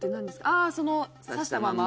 あぁそのさしたまま？